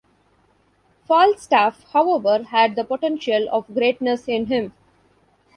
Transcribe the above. Falstaff, however, had the potential of greatness in him.